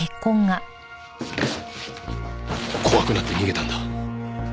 怖くなって逃げたんだ。